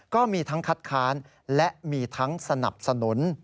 ก็มีทั้งคัดค้านและมีทั้งสนับสนุน